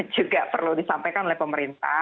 juga perlu disampaikan oleh pemerintah